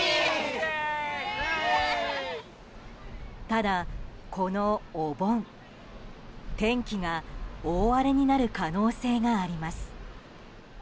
ただ、このお盆天気が大荒れになる可能性があります。